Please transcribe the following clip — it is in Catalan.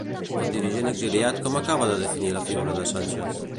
El dirigent exiliat com acaba per definir la figura de Sánchez?